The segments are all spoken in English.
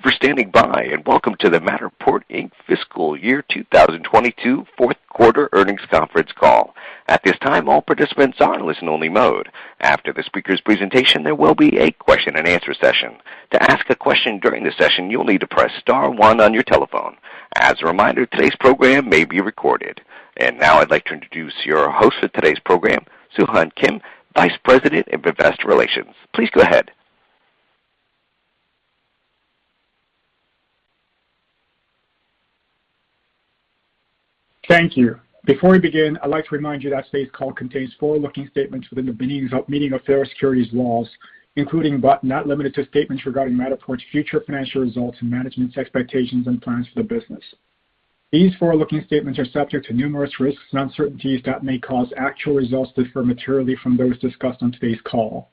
Thank you for standing by, and welcome to the Matterport Inc. fiscal year 2022 fourth quarter earnings conference call. At this time, all participants are in listen only mode. After the speaker's presentation, there will be a question and answer session. To ask a question during the session, you'll need to press star one on your telephone. As a reminder, today's program may be recorded. Now I'd like to introduce your host for today's program, Soohwan Kim, Vice President of Investor Relations. Please go ahead. Thank you. Before we begin, I'd like to remind you that today's call contains forward-looking statements within the meaning of federal securities laws, including but not limited to statements regarding Matterport's future financial results and management's expectations and plans for the business. These forward-looking statements are subject to numerous risks and uncertainties that may cause actual results to differ materially from those discussed on today's call.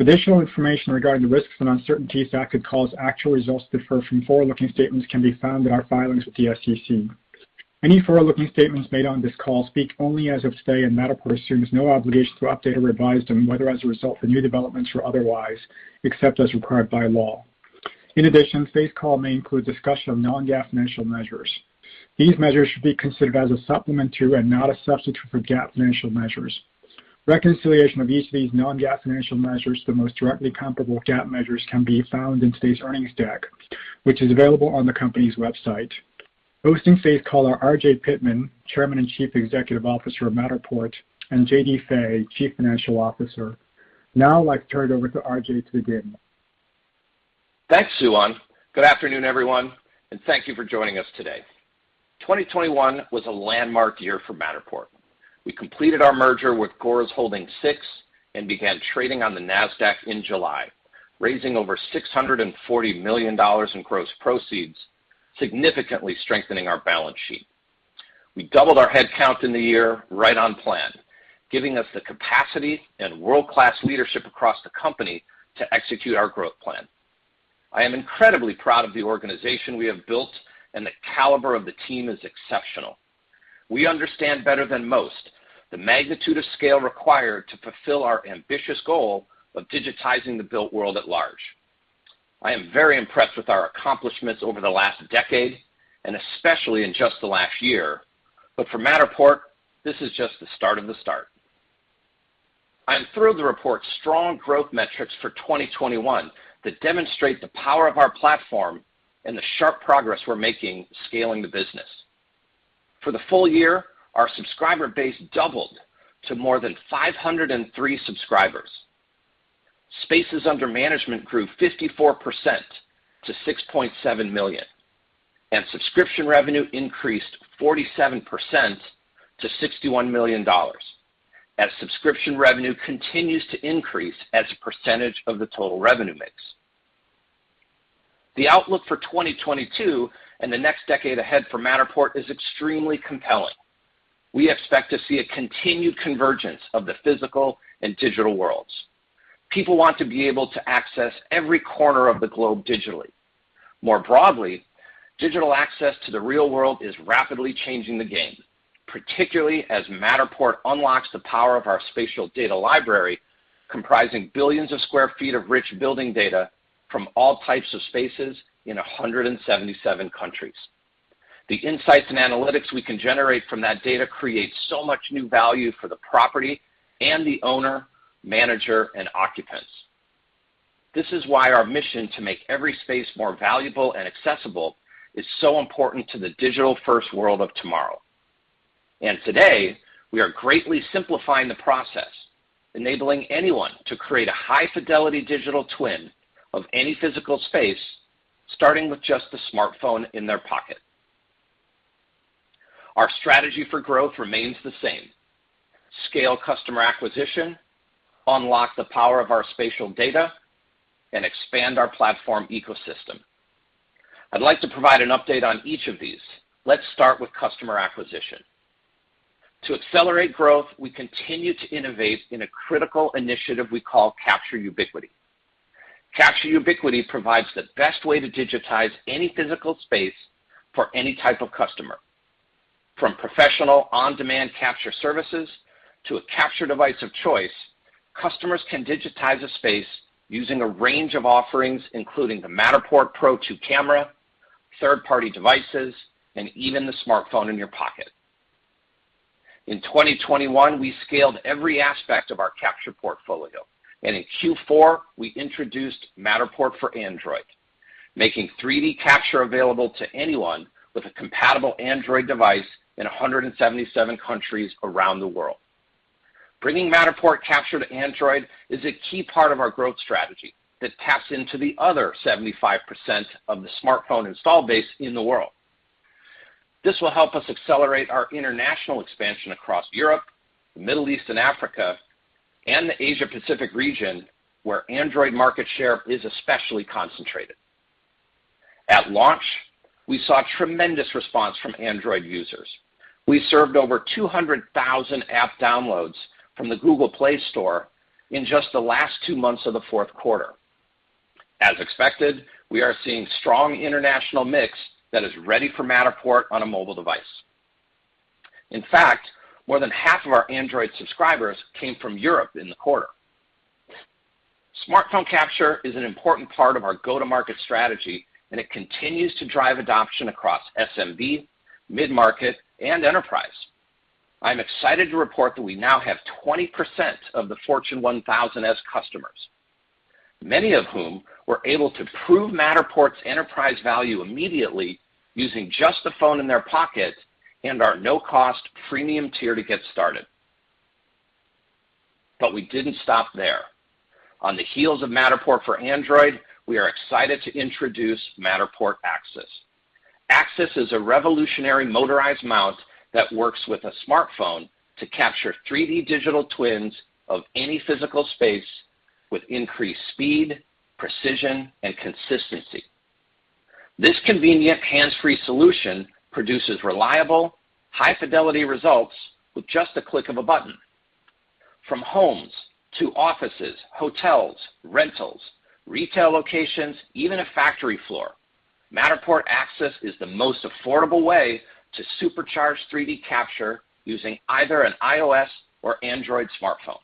Additional information regarding the risks and uncertainties that could cause actual results to differ from forward-looking statements can be found in our filings with the SEC. Any forward-looking statements made on this call speak only as of today, and Matterport assumes no obligation to update or revise them, whether as a result of new developments or otherwise, except as required by law. In addition, today's call may include discussion of non-GAAP financial measures. These measures should be considered as a supplement to, and not a substitute for, GAAP financial measures. Reconciliation of each of these non-GAAP financial measures to the most directly comparable GAAP measures can be found in today's earnings deck, which is available on the company's website. Hosting today's call are RJ Pittman, Chairman and Chief Executive Officer of Matterport, and JD Fay, Chief Financial Officer. Now I'd like to turn it over to RJ to begin. Thanks, Soohwan. Good afternoon, everyone, and thank you for joining us today. 2021 was a landmark year for Matterport. We completed our merger with Gores Holdings VI and began trading on the Nasdaq in July, raising over $640 million in gross proceeds, significantly strengthening our balance sheet. We doubled our headcount in the year right on plan, giving us the capacity and world-class leadership across the company to execute our growth plan. I am incredibly proud of the organization we have built, and the caliber of the team is exceptional. We understand better than most the magnitude of scale required to fulfill our ambitious goal of digitizing the built world at large. I am very impressed with our accomplishments over the last decade and especially in just the last year. For Matterport, this is just the start of the start. I am thrilled to report strong growth metrics for 2021 that demonstrate the power of our platform and the sharp progress we're making scaling the business. For the full year, our subscriber base doubled to more than 503 subscribers. Spaces under management grew 54% to 6.7 million, and subscription revenue increased 47% to $61 million as subscription revenue continues to increase as a percentage of the total revenue mix. The outlook for 2022 and the next decade ahead for Matterport is extremely compelling. We expect to see a continued convergence of the physical and digital worlds. People want to be able to access every corner of the globe digitally. More broadly, digital access to the real world is rapidly changing the game, particularly as Matterport unlocks the power of our spatial data library, comprising billions of square feet of rich building data from all types of spaces in 177 countries. The insights and analytics we can generate from that data creates so much new value for the property and the owner, manager, and occupants. This is why our mission to make every space more valuable and accessible is so important to the digital-first world of tomorrow. Today, we are greatly simplifying the process, enabling anyone to create a high-fidelity digital twin of any physical space, starting with just the smartphone in their pocket. Our strategy for growth remains the same. Scale customer acquisition, unlock the power of our spatial data, and expand our platform ecosystem. I'd like to provide an update on each of these. Let's start with customer acquisition. To accelerate growth, we continue to innovate in a critical initiative we call Capture Ubiquity. Capture Ubiquity provides the best way to digitize any physical space for any type of customer. From professional on-demand capture services to a capture device of choice, customers can digitize a space using a range of offerings, including the Matterport Pro2 Camera, third-party devices, and even the smartphone in your pocket. In 2021, we scaled every aspect of our capture portfolio, and in Q4, we introduced Matterport for Android, making 3D capture available to anyone with a compatible Android device in 177 countries around the world. Bringing Matterport capture to Android is a key part of our growth strategy that taps into the other 75% of the smartphone installed base in the world. This will help us accelerate our international expansion across Europe, the Middle East and Africa, and the Asia Pacific region, where Android market share is especially concentrated. At launch, we saw tremendous response from Android users. We served over 200,000 app downloads from the Google Play Store in just the last two months of the fourth quarter. As expected, we are seeing strong international mix that is ready for Matterport on a mobile device. In fact, more than half of our Android subscribers came from Europe in the quarter. Smartphone capture is an important part of our go-to-market strategy, and it continues to drive adoption across SMB, mid-market, and enterprise. I'm excited to report that we now have 20% of the Fortune 1000 as customers, many of whom were able to prove Matterport's enterprise value immediately using just the phone in their pocket and our no-cost premium tier to get started. We didn't stop there. On the heels of Matterport for Android, we are excited to introduce Matterport Axis. Axis is a revolutionary motorized mount that works with a smartphone to capture 3D digital twins of any physical space with increased speed, precision, and consistency. This convenient hands-free solution produces reliable, high-fidelity results with just a click of a button. From homes to offices, hotels, rentals, retail locations, even a factory floor, Matterport Axis is the most affordable way to supercharge 3D capture using either an iOS or Android smartphone.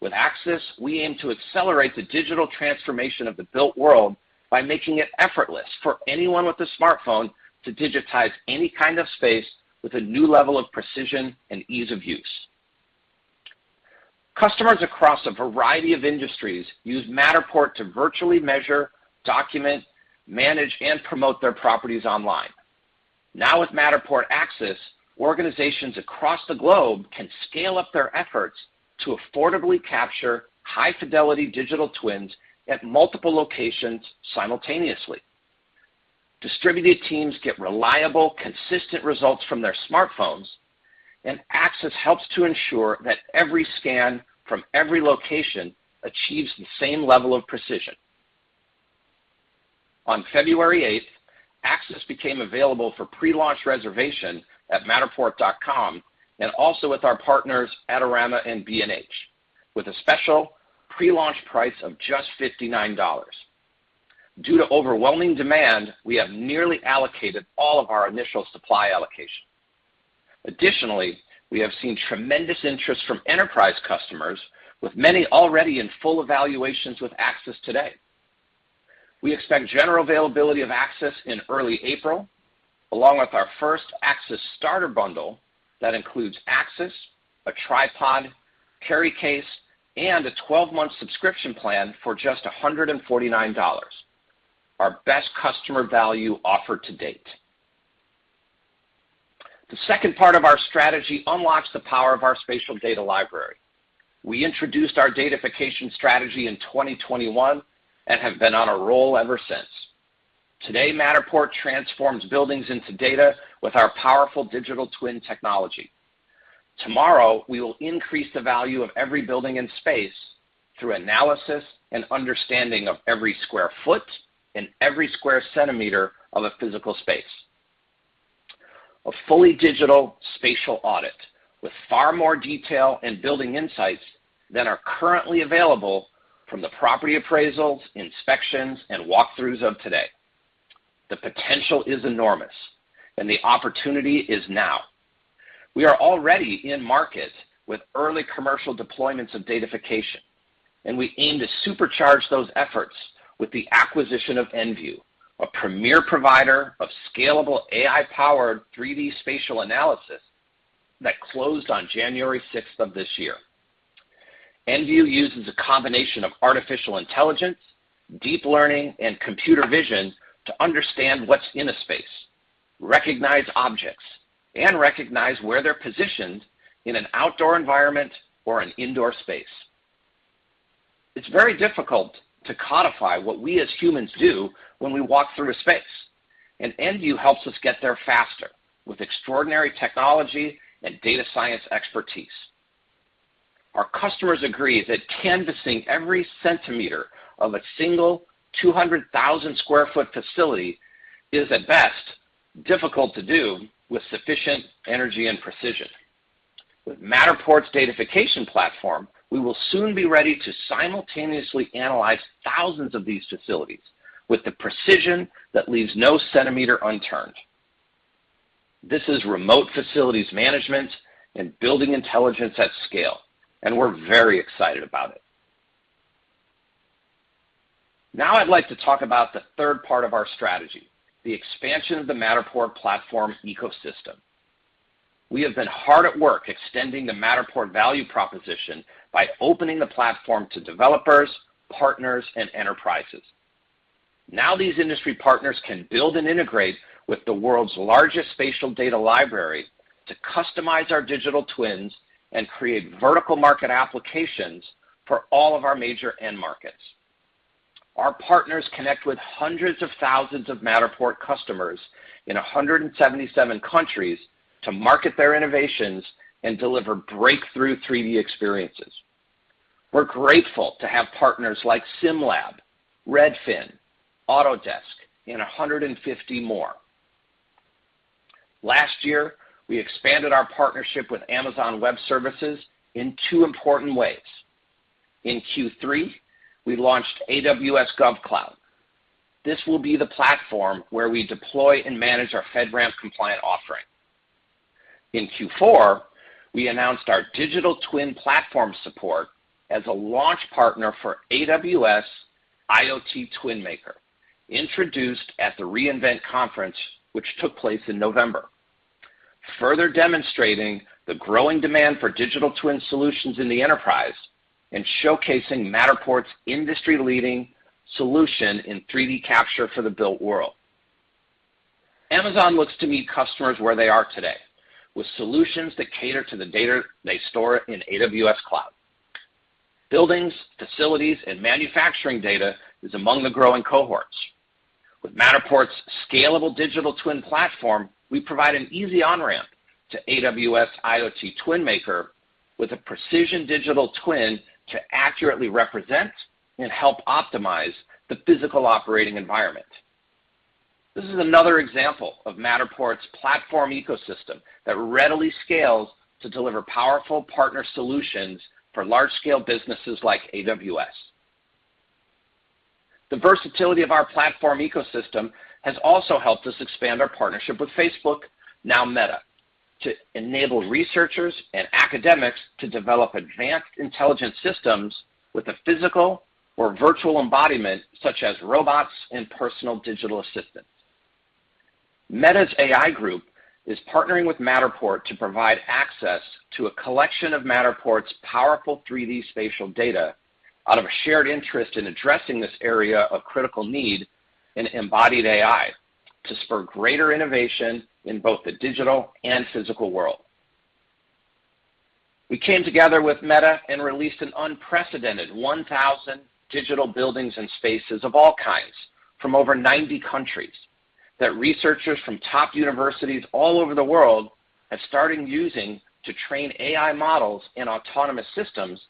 With Axis, we aim to accelerate the digital transformation of the built world by making it effortless for anyone with a smartphone to digitize any kind of space with a new level of precision and ease of use. Customers across a variety of industries use Matterport to virtually measure, document, manage, and promote their properties online. Now, with Matterport Axis, organizations across the globe can scale up their efforts to affordably capture high-fidelity digital twins at multiple locations simultaneously. Distributed teams get reliable, consistent results from their smartphones, and Axis helps to ensure that every scan from every location achieves the same level of precision. On February 8th, Axis became available for pre-launch reservation at matterport.com and also with our partners, Adorama and B&H, with a special pre-launch price of just $59. Due to overwhelming demand, we have nearly allocated all of our initial supply allocation. Additionally, we have seen tremendous interest from enterprise customers, with many already in full evaluations with Axis today. We expect general availability of Axis in early April, along with our first Axis starter bundle that includes Axis, a tripod, carry case, and a 12-month subscription plan for just $149, our best customer value offer to date. The second part of our strategy unlocks the power of our spatial data library. We introduced our datafication strategy in 2021 and have been on a roll ever since. Today, Matterport transforms buildings into data with our powerful digital twin technology. Tomorrow, we will increase the value of every building in space through analysis and understanding of every square foot and every square centimeter of a physical space. A fully digital spatial audit with far more detail and building insights than are currently available from the property appraisals, inspections, and walkthroughs of today. The potential is enormous, and the opportunity is now. We are already in market with early commercial deployments of datafication, and we aim to supercharge those efforts with the acquisition of Enview, a premier provider of scalable AI-powered 3D spatial analysis that closed on January 6th of this year. Enview uses a combination of artificial intelligence, deep learning, and computer vision to understand what's in a space, recognize objects, and recognize where they're positioned in an outdoor environment or an indoor space. It's very difficult to codify what we as humans do when we walk through a space, and Enview helps us get there faster with extraordinary technology and data science expertise. Our customers agree that canvassing every centimeter of a single 200,000 sq ft facility is, at best, difficult to do with sufficient energy and precision. With Matterport's datafication platform, we will soon be ready to simultaneously analyze thousands of these facilities with the precision that leaves no centimeter unturned. This is remote facilities management and building intelligence at scale, and we're very excited about it. Now I'd like to talk about the third part of our strategy, the expansion of the Matterport platform ecosystem. We have been hard at work extending the Matterport value proposition by opening the platform to developers, partners, and enterprises. Now, these industry partners can build and integrate with the world's largest spatial data library to customize our digital twins and create vertical market applications for all of our major end markets. Our partners connect with hundreds of thousands of Matterport customers in 177 countries to market their innovations and deliver breakthrough 3D experiences. We're grateful to have partners like SIMLAB, Redfin, Autodesk, and 150 more. Last year, we expanded our partnership with Amazon Web Services in two important ways. In Q3, we launched AWS GovCloud. This will be the platform where we deploy and manage our FedRAMP compliant offering. In Q4, we announced our digital twin platform support as a launch partner for AWS IoT TwinMaker, introduced at the re:Invent conference, which took place in November, further demonstrating the growing demand for digital twin solutions in the enterprise and showcasing Matterport's industry-leading solution in 3D capture for the built world. Amazon looks to meet customers where they are today with solutions that cater to the data they store in AWS Cloud. Buildings, facilities, and manufacturing data is among the growing cohorts. With Matterport's scalable digital twin platform, we provide an easy on-ramp to AWS IoT TwinMaker with a precision digital twin to accurately represent and help optimize the physical operating environment. This is another example of Matterport's platform ecosystem that readily scales to deliver powerful partner solutions for large-scale businesses like AWS. The versatility of our platform ecosystem has also helped us expand our partnership with Facebook, now Meta, to enable researchers and academics to develop advanced intelligent systems with a physical or virtual embodiment, such as robots and personal digital assistants. Meta's AI group is partnering with Matterport to provide access to a collection of Matterport's powerful 3D spatial data out of a shared interest in addressing this area of critical need in embodied AI to spur greater innovation in both the digital and physical world. We came together with Meta and released an unprecedented 1,000 digital buildings and spaces of all kinds from over 90 countries that researchers from top universities all over the world have started using to train AI models and autonomous systems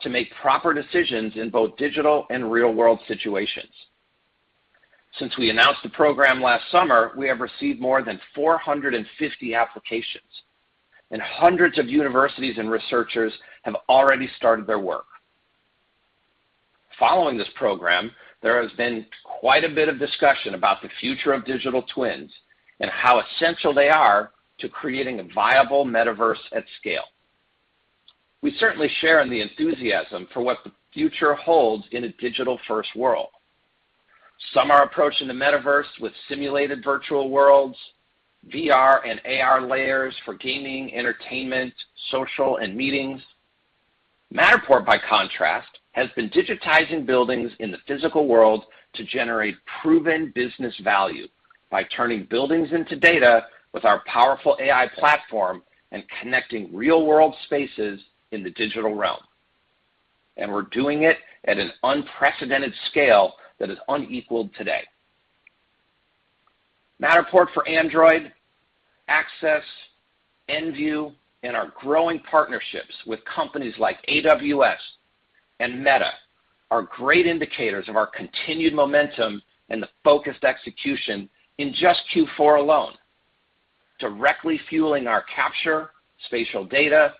to make proper decisions in both digital and real-world situations. Since we announced the program last summer, we have received more than 450 applications, and hundreds of universities and researchers have already started their work. Following this program, there has been quite a bit of discussion about the future of digital twins and how essential they are to creating a viable metaverse at scale. We certainly share in the enthusiasm for what the future holds in a digital-first world. Some are approaching the metaverse with simulated virtual worlds, VR and AR layers for gaming, entertainment, social, and meetings. Matterport, by contrast, has been digitizing buildings in the physical world to generate proven business value by turning buildings into data with our powerful AI platform and connecting real-world spaces in the digital realm, and we're doing it at an unprecedented scale that is unequaled today. Matterport for Android, Axis, Enview, and our growing partnerships with companies like AWS and Meta are great indicators of our continued momentum and the focused execution in just Q4 alone, directly fueling our capture, spatial data,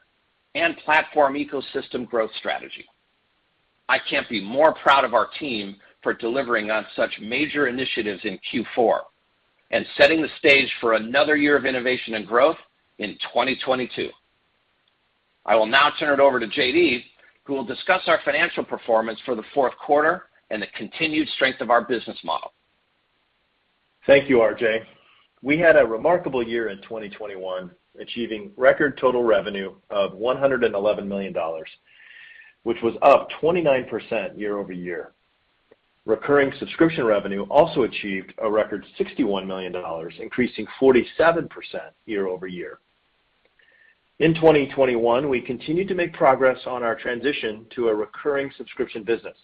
and platform ecosystem growth strategy. I can't be more proud of our team for delivering on such major initiatives in Q4 and setting the stage for another year of innovation and growth in 2022. I will now turn it over to JD, who will discuss our financial performance for the fourth quarter and the continued strength of our business model. Thank you, RJ. We had a remarkable year in 2021, achieving record total revenue of $111 million, which was up 29% year-over-year. Recurring subscription revenue also achieved a record $61 million, increasing 47% year-over-year. In 2021, we continued to make progress on our transition to a recurring subscription business.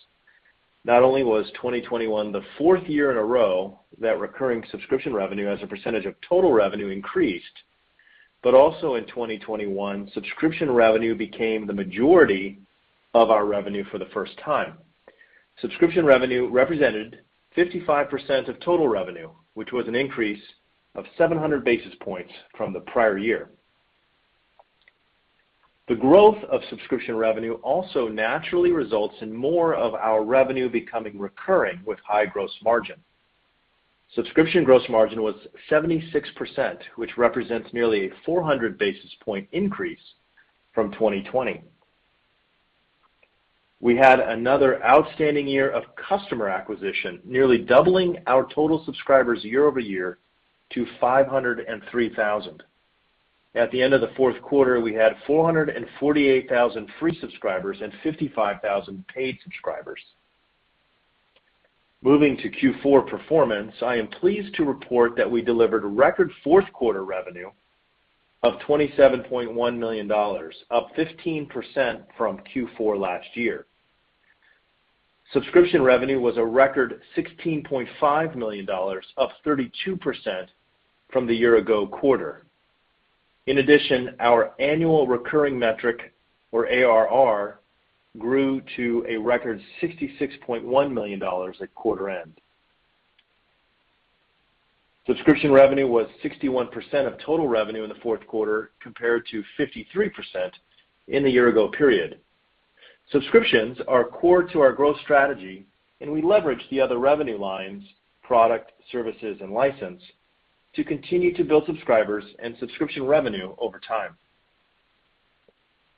Not only was 2021 the 4th year in a row that recurring subscription revenue as a percentage of total revenue increased, but also in 2021, subscription revenue became the majority of our revenue for the first time. Subscription revenue represented 55% of total revenue, which was an increase of 700 basis points from the prior year. The growth of subscription revenue also naturally results in more of our revenue becoming recurring with high gross margin. Subscription gross margin was 76%, which represents nearly a 400 basis point increase from 2020. We had another outstanding year of customer acquisition, nearly doubling our total subscribers year-over-year to 503,000. At the end of the fourth quarter, we had 448,000 free subscribers and 55,000 paid subscribers. Moving to Q4 performance, I am pleased to report that we delivered record fourth quarter revenue of $27.1 million, up 15% from Q4 last year. Subscription revenue was a record $16.5 million, up 32% from the year ago quarter. In addition, our annual recurring metric, or ARR, grew to a record $66.1 million at quarter end. Subscription revenue was 61% of total revenue in the fourth quarter compared to 53% in the year ago period. Subscriptions are core to our growth strategy, and we leverage the other revenue lines, product, services, and license to continue to build subscribers and subscription revenue over time.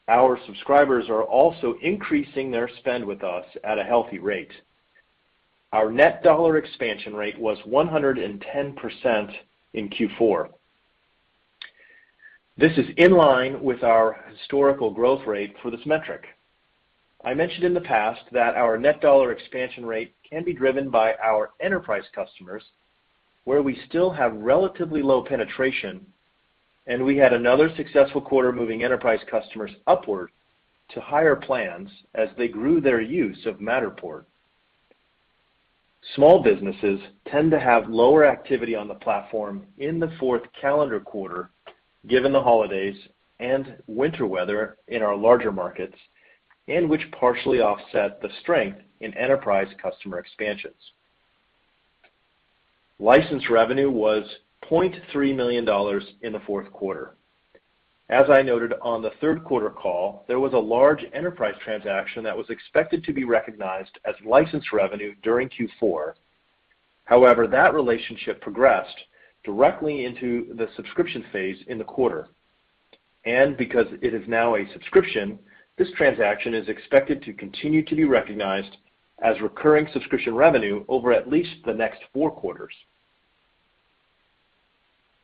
Our subscribers are also increasing their spend with us at a healthy rate. Our net dollar expansion rate was 110% in Q4. This is in line with our historical growth rate for this metric. I mentioned in the past that our net dollar expansion rate can be driven by our enterprise customers, where we still have relatively low penetration, and we had another successful quarter moving enterprise customers upward to higher plans as they grew their use of Matterport. Small businesses tend to have lower activity on the platform in the fourth calendar quarter, given the holidays and winter weather in our larger markets, and which partially offset the strength in enterprise customer expansions. License revenue was $0.3 million in the fourth quarter. As I noted on the third quarter call, there was a large enterprise transaction that was expected to be recognized as license revenue during Q4. However, that relationship progressed directly into the subscription phase in the quarter. Because it is now a subscription, this transaction is expected to continue to be recognized as recurring subscription revenue over at least the next four quarters.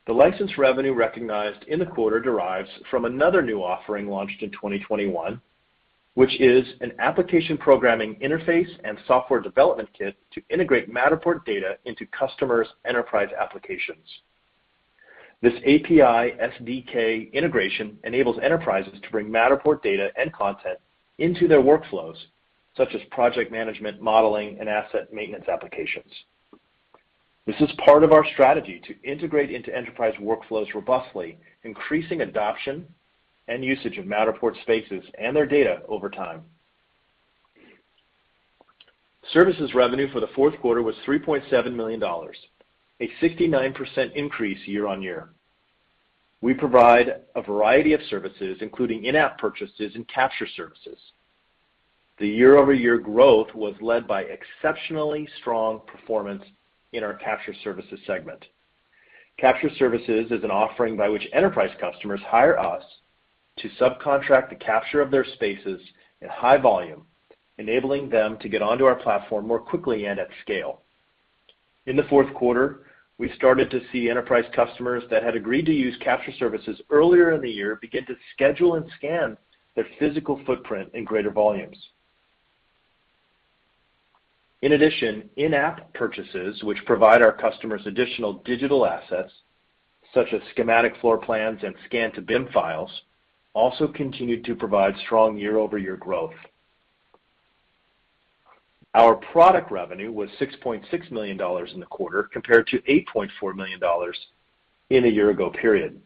The license revenue recognized in the quarter derives from another new offering launched in 2021, which is an application programming interface and software development kit to integrate Matterport data into customers' enterprise applications. This API SDK integration enables enterprises to bring Matterport data and content into their workflows, such as project management, modeling, and asset maintenance applications. This is part of our strategy to integrate into enterprise workflows robustly, increasing adoption and usage of Matterport spaces and their data over time. Services revenue for the fourth quarter was $3.7 million, a 69% increase year-on-year. We provide a variety of services, including in-app purchases and capture services. The year-over-year growth was led by exceptionally strong performance in our capture services segment. Capture services is an offering by which enterprise customers hire us to subcontract the capture of their spaces at high volume, enabling them to get onto our platform more quickly and at scale. In the fourth quarter, we started to see enterprise customers that had agreed to use capture services earlier in the year begin to schedule and scan their physical footprint in greater volumes. In addition, in-app purchases, which provide our customers additional digital assets, such as schematic floor plans and Scan-to-BIM files, also continued to provide strong year-over-year growth. Our product revenue was $6.6 million in the quarter compared to $8.4 million in a year ago period.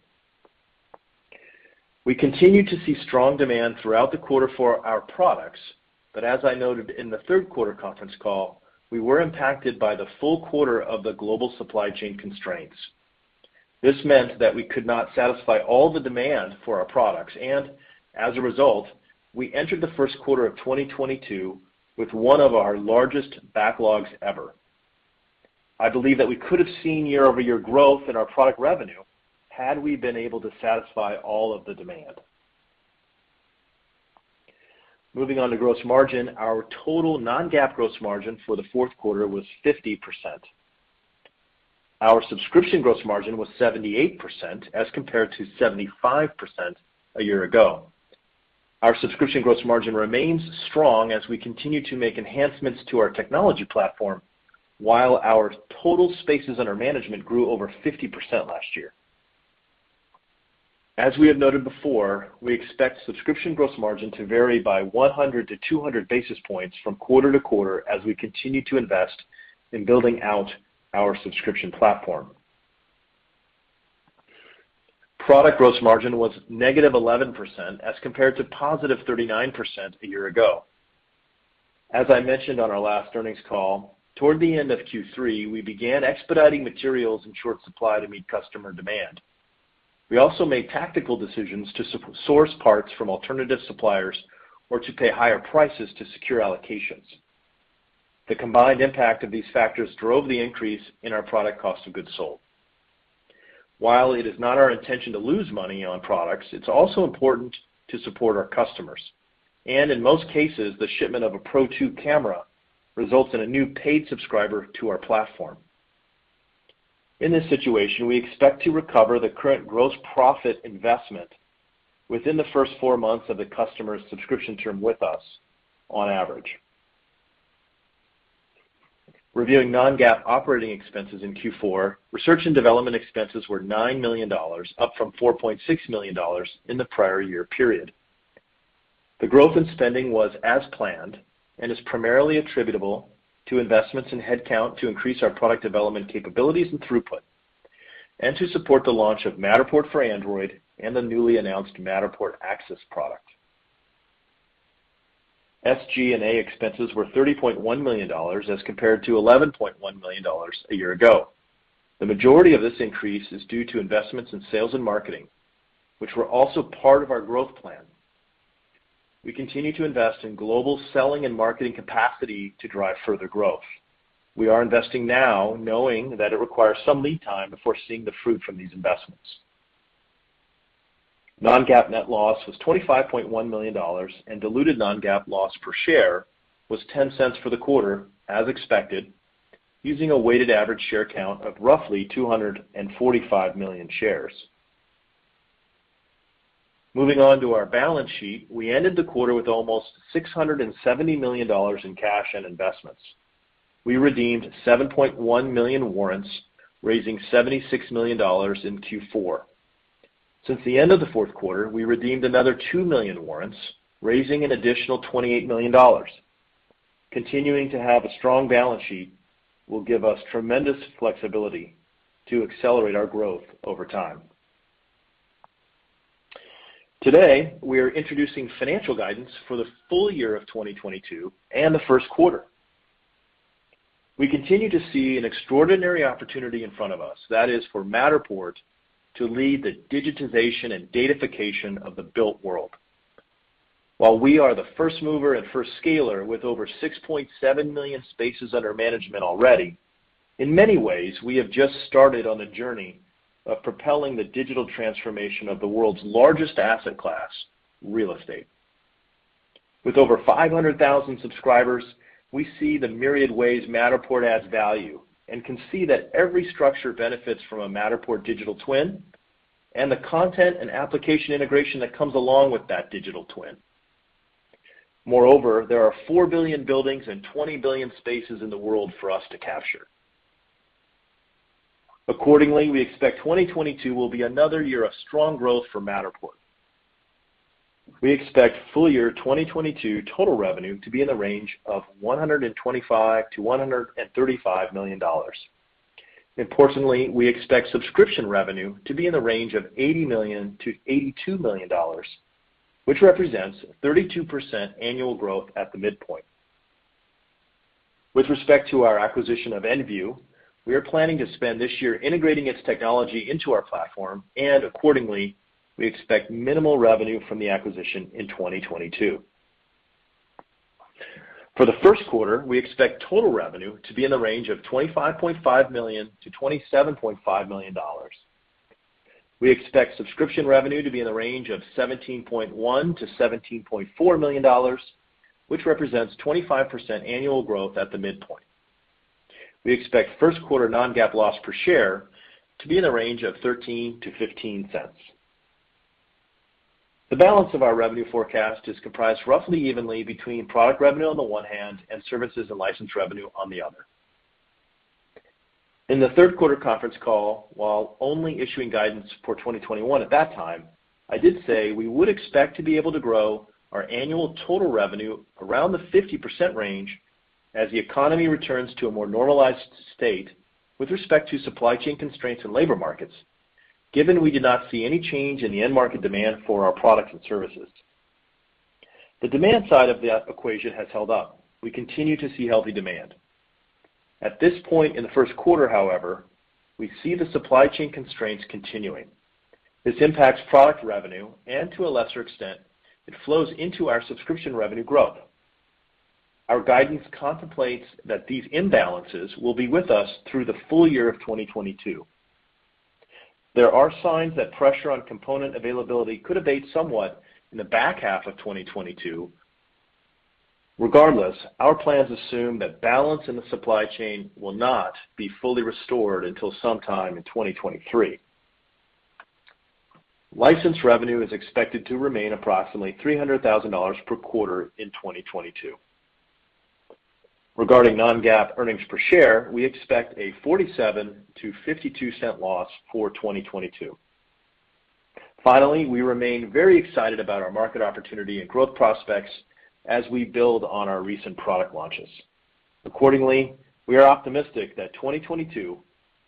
We continued to see strong demand throughout the quarter for our products, but as I noted in the third quarter conference call, we were impacted by the full quarter of the global supply chain constraints. This meant that we could not satisfy all the demand for our products, and as a result, we entered the first quarter of 2022 with one of our largest backlogs ever. I believe that we could have seen year-over-year growth in our product revenue had we been able to satisfy all of the demand. Moving on to gross margin, our total non-GAAP gross margin for the fourth quarter was 50%. Our subscription gross margin was 78% as compared to 75% a year ago. Our subscription gross margin remains strong as we continue to make enhancements to our technology platform, while our total spaces under management grew over 50% last year. We expect subscription gross margin to vary by 100-200 basis points from quarter to quarter as we continue to invest in building out our subscription platform. Product gross margin was negative 11% as compared to positive 39% a year ago. As I mentioned on our last earnings call, toward the end of Q3, we began expediting materials in short supply to meet customer demand. We also made tactical decisions to source parts from alternative suppliers or to pay higher prices to secure allocations. The combined impact of these factors drove the increase in our product cost of goods sold. While it is not our intention to lose money on products, it's also important to support our customers, and in most cases, the shipment of a Pro2 camera results in a new paid subscriber to our platform. In this situation, we expect to recover the current gross profit investment within the first four months of the customer's subscription term with us on average. Reviewing non-GAAP operating expenses in Q4, research and development expenses were $9 million, up from $4.6 million in the prior year period. The growth in spending was as planned and is primarily attributable to investments in headcount to increase our product development capabilities and throughput, and to support the launch of Matterport for Android and the newly announced Matterport Axis product. SG&A expenses were $30.1 million as compared to $11.1 million a year ago. The majority of this increase is due to investments in sales and marketing, which were also part of our growth plan. We continue to invest in global selling and marketing capacity to drive further growth. We are investing now knowing that it requires some lead time before seeing the fruit from these investments. non-GAAP net loss was $25.1 million, and diluted non-GAAP loss per share was $0.10 for the quarter as expected, using a weighted average share count of roughly 245 million shares. Moving on to our balance sheet. We ended the quarter with almost $670 million in cash and investments. We redeemed 7.1 million warrants, raising $76 million in Q4. Since the end of the fourth quarter, we redeemed another two million warrants, raising an additional $28 million. Continuing to have a strong balance sheet will give us tremendous flexibility to accelerate our growth over time. Today, we are introducing financial guidance for the full year of 2022 and the first quarter. We continue to see an extraordinary opportunity in front of us, that is for Matterport to lead the digitization and datafication of the built world. While we are the first mover and first scaler with over 6.7 million spaces under management already, in many ways, we have just started on the journey of propelling the digital transformation of the world's largest asset class, real estate. With over 500,000 subscribers, we see the myriad ways Matterport adds value and can see that every structure benefits from a Matterport digital twin and the content and application integration that comes along with that digital twin. Moreover, there are four billion buildings and 20 billion spaces in the world for us to capture. Accordingly, we expect 2022 will be another year of strong growth for Matterport. We expect full year 2022 total revenue to be in the range of $125 million-$135 million. Importantly, we expect subscription revenue to be in the range of $80 million-$82 million, which represents 32% annual growth at the midpoint. With respect to our acquisition of Enview, we are planning to spend this year integrating its technology into our platform, and accordingly, we expect minimal revenue from the acquisition in 2022. For the first quarter, we expect total revenue to be in the range of $25.5 million-$27.5 million. We expect subscription revenue to be in the range of $17.1 million-$17.4 million, which represents 25% annual growth at the midpoint. We expect first quarter non-GAAP loss per share to be in the range of $0.13-$0.15. The balance of our revenue forecast is comprised roughly evenly between product revenue on the one hand and services and license revenue on the other. In the third quarter conference call, while only issuing guidance for 2021 at that time, I did say we would expect to be able to grow our annual total revenue around the 50% range as the economy returns to a more normalized state with respect to supply chain constraints and labor markets, given we did not see any change in the end market demand for our products and services. The demand side of that equation has held up. We continue to see healthy demand. At this point in the first quarter, however, we see the supply chain constraints continuing. This impacts product revenue, and to a lesser extent, it flows into our subscription revenue growth. Our guidance contemplates that these imbalances will be with us through the full year of 2022. There are signs that pressure on component availability could abate somewhat in the back half of 2022. Regardless, our plans assume that balance in the supply chain will not be fully restored until sometime in 2023. License revenue is expected to remain approximately $300,000 per quarter in 2022. Regarding non-GAAP earnings per share, we expect a $0.47-$0.52 loss for 2022. Finally, we remain very excited about our market opportunity and growth prospects as we build on our recent product launches. Accordingly, we are optimistic that 2022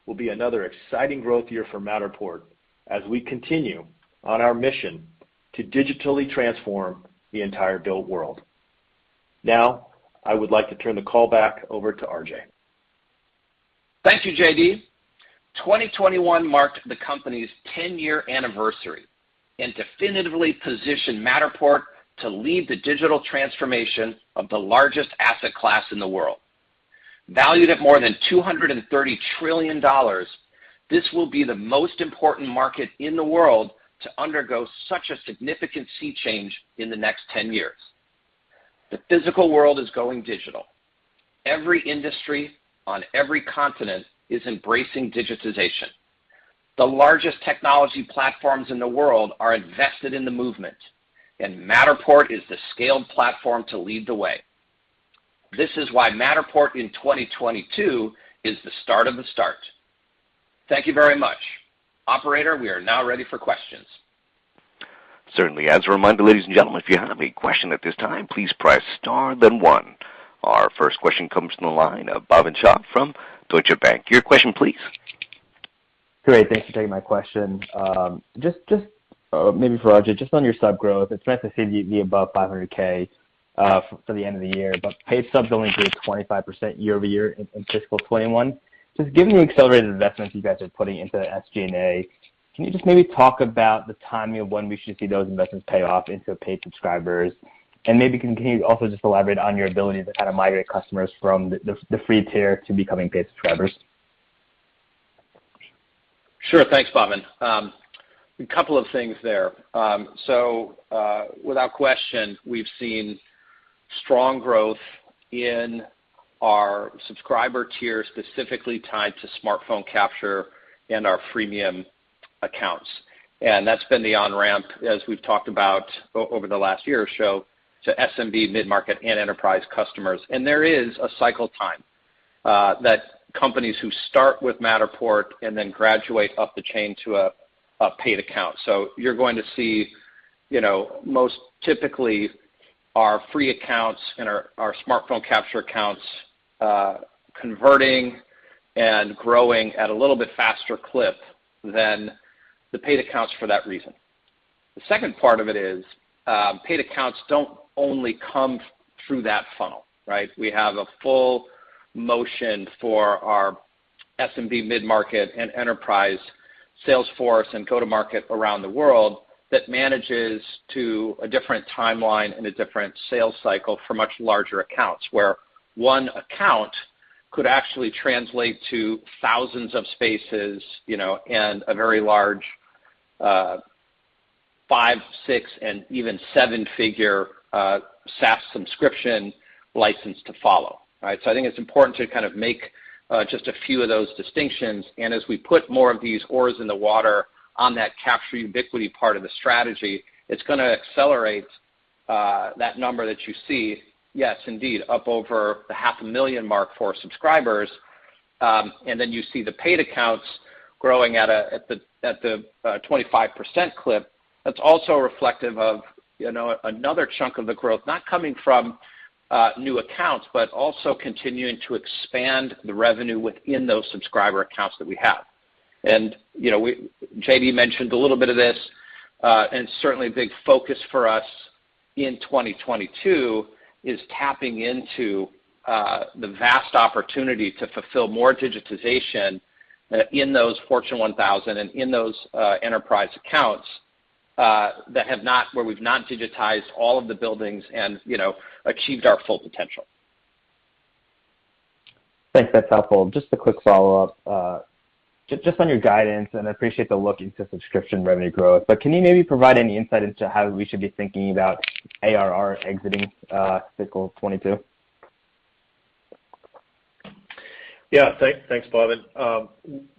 will be another exciting growth year for Matterport as we continue on our mission to digitally transform the entire built world. Now, I would like to turn the call back over to RJ. Thank you, JD. 2021 marked the company's 10-year anniversary and definitively positioned Matterport to lead the digital transformation of the largest asset class in the world. Valued at more than $230 trillion, this will be the most important market in the world to undergo such a significant sea change in the next 10 years. The physical world is going digital. Every industry on every continent is embracing digitization. The largest technology platforms in the world are invested in the movement, and Matterport is the scaled platform to lead the way. This is why Matterport in 2022 is the start of the start. Thank you very much. Operator, we are now ready for questions. Certainly. As a reminder, ladies and gentlemen, if you have any question at this time, please press star then one. Our first question comes from the line of Bhavin Shah from Deutsche Bank. Your question, please. Great. Thanks for taking my question. Just maybe for RJ, just on your sub growth, it's nice to see you be above 500K for the end of the year, but paid subs only grew 25% year-over-year in fiscal 2021. Just given the accelerated investments you guys are putting into the SG&A, can you just maybe talk about the timing of when we should see those investments pay off into paid subscribers? Maybe can you also just elaborate on your ability to kind of migrate customers from the free tier to becoming paid subscribers? Sure. Thanks, Bhavin. A couple of things there. Without question, we've seen strong growth in our subscriber tier, specifically tied to smartphone capture and our freemium accounts. That's been the on-ramp, as we've talked about over the last year or so, to SMB mid-market and enterprise customers. There is a cycle time that companies who start with Matterport and then graduate up the chain to a paid account. You're going to see most typically our free accounts and our smartphone capture accounts converting and growing at a little bit faster clip than the paid accounts for that reason. The second part of it is paid accounts don't only come through that funnel, right? We have a full motion for our SMB mid-market and enterprise sales force and go-to-market around the world that manages to a different timeline and a different sales cycle for much larger accounts, where one account could actually translate to thousands of spaces, you know, and a very large, five, six, and even seven-figure, SaaS subscription license to follow, right? I think it's important to kind of make just a few of those distinctions. As we put more of these oars in the water on that Capture Ubiquity part of the strategy, it's gonna accelerate that number that you see, yes, indeed, up over the half a million mark for subscribers. You see the paid accounts growing at a 25% clip. That's also reflective of, you know, another chunk of the growth, not coming from new accounts, but also continuing to expand the revenue within those subscriber accounts that we have. You know, JD mentioned a little bit of this, and certainly a big focus for us in 2022 is tapping into the vast opportunity to fulfill more digitization in those Fortune 1000 and in those enterprise accounts that have not, where we've not digitized all of the buildings and, you know, achieved our full potential. Thanks. That's helpful. Just a quick follow-up, just on your guidance, and I appreciate the look into subscription revenue growth, but can you maybe provide any insight into how we should be thinking about ARR exiting fiscal 2022? Yeah, thanks, Bhavin.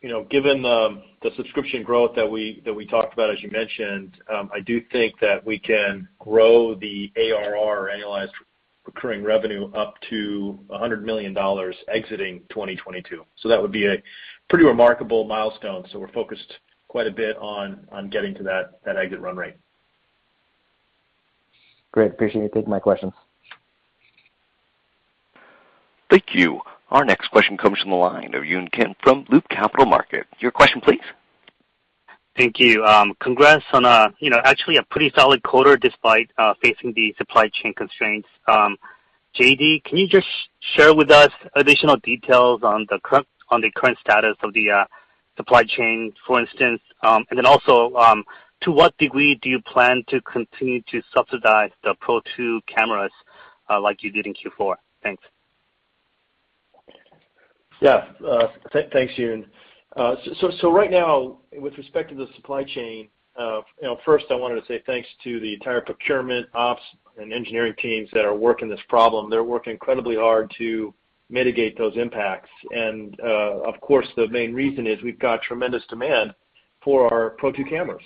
You know, given the subscription growth that we talked about, as you mentioned, I do think that we can grow the ARR, annualized recurring revenue, up to $100 million exiting 2022. That would be a pretty remarkable milestone. We're focused quite a bit on getting to that exit run rate. Great. I appreciate you taking my questions. Thank you. Our next question comes from the line of Yun Kim from Loop Capital Markets. Your question please. Thank you. Congrats on, you know, actually a pretty solid quarter despite facing the supply chain constraints. JD, can you just share with us additional details on the current status of the supply chain, for instance? Then also, to what degree do you plan to continue to subsidize the Pro2 cameras, like you did in Q4? Thanks. Yeah. Thanks, Yun. So right now, with respect to the supply chain, you know, first I wanted to say thanks to the entire procurement ops and engineering teams that are working this problem. They're working incredibly hard to mitigate those impacts. Of course, the main reason is we've got tremendous demand for our Pro2 cameras.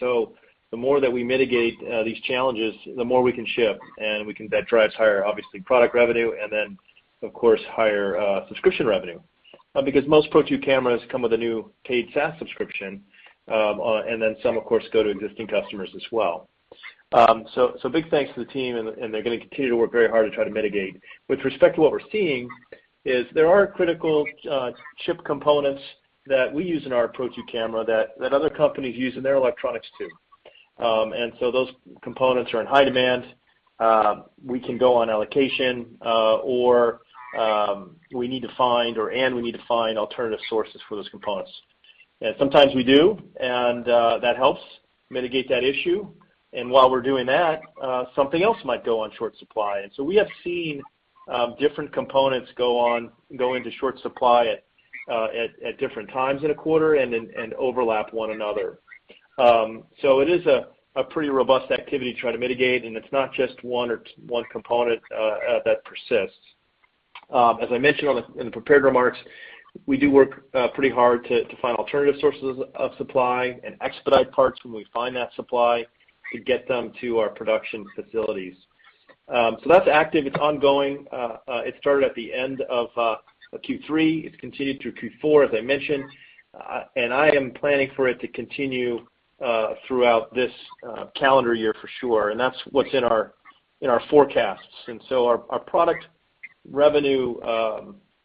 So the more that we mitigate these challenges, the more we can ship, and that drives higher, obviously, product revenue and then, of course, higher subscription revenue. Because most Pro2 cameras come with a new paid SaaS subscription, and then some of course go to existing customers as well. Big thanks to the team and they're gonna continue to work very hard to try to mitigate. With respect to what we're seeing is there are critical chip components that we use in our Pro2 camera that other companies use in their electronics too. Those components are in high demand. We can go on allocation, or we need to find alternative sources for those components. Sometimes we do, and that helps mitigate that issue. While we're doing that, something else might go on short supply. We have seen different components go into short supply at different times in a quarter and then overlap one another. It is a pretty robust activity to try to mitigate, and it's not just one component that persists. As I mentioned in the prepared remarks, we do work pretty hard to find alternative sources of supply and expedite parts when we find that supply to get them to our production facilities. That's active. It's ongoing. It started at the end of Q3. It's continued through Q4, as I mentioned. I am planning for it to continue throughout this calendar year for sure. That's what's in our forecasts. Our product revenue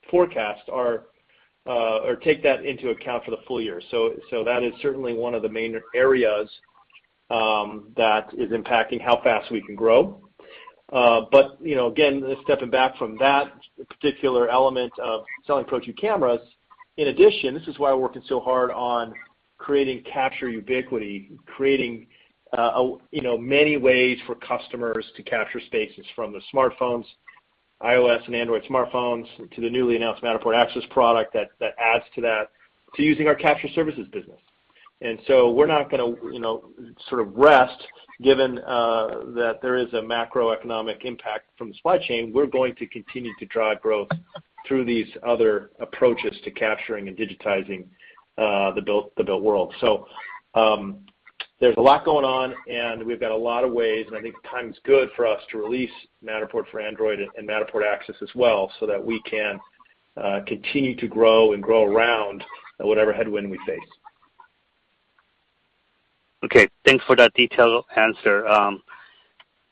forecasts take that into account for the full year. That is certainly one of the main areas that is impacting how fast we can grow. You know, again, stepping back from that particular element of selling Pro2 cameras, in addition, this is why we're working so hard on creating Capture Ubiquity, you know, many ways for customers to capture spaces from the smartphones, iOS and Android smartphones, to the newly announced Matterport Axis product that adds to that, to using our capture services business. We're not gonna, you know, sort of rest given that there is a macroeconomic impact from the supply chain. We're going to continue to drive growth through these other approaches to capturing and digitizing the built world. There's a lot going on, and we've got a lot of ways, and I think the time is good for us to release Matterport for Android and Matterport Axis as well, so that we can continue to grow and grow around whatever headwind we face. Okay. Thanks for that detailed answer.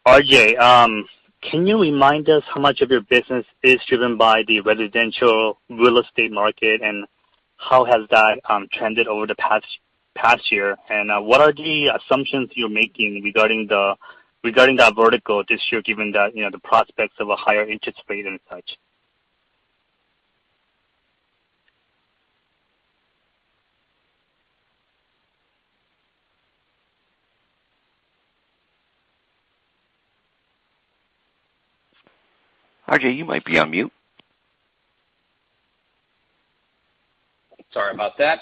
RJ, can you remind us how much of your business is driven by the residential real estate market, and how has that trended over the past year? What are the assumptions you're making regarding that vertical this year, given that, you know, the prospects of a higher interest rate and such? RJ, you might be on mute. Sorry about that.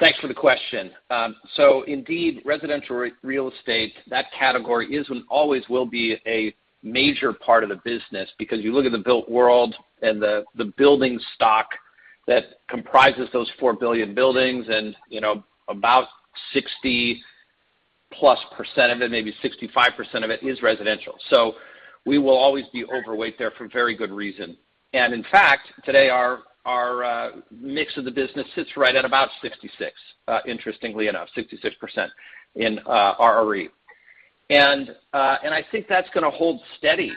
Thanks for the question. Indeed, residential real estate, that category is and always will be a major part of the business because you look at the built world and the building stock that comprises those four billion buildings and, you know, about 60+% of it, maybe 65% of it is residential. We will always be overweight there for very good reason. In fact, today, our mix of the business sits right at about 66%, interestingly enough, in RRE. I think that's gonna hold steady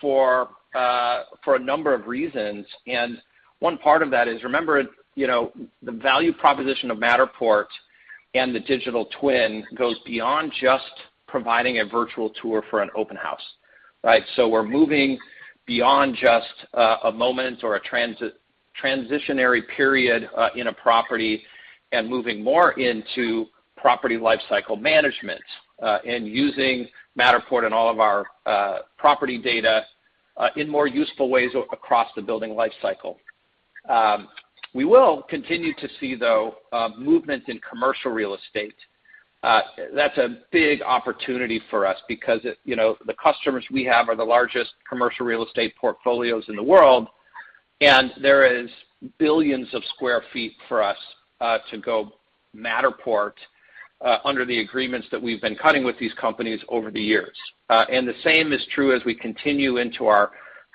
for a number of reasons. One part of that is, remember, you know, the value proposition of Matterport and the digital twin goes beyond just providing a virtual tour for an open house, right? We're moving beyond just a moment or a transitional period in a property and moving more into property lifecycle management and using Matterport and all of our property data in more useful ways across the building lifecycle. We will continue to see, though, movement in commercial real estate. That's a big opportunity for us because it, you know, the customers we have are the largest commercial real estate portfolios in the world, and there is billions of square feet for us to go Matterport under the agreements that we've been cutting with these companies over the years. The same is true as we continue into our,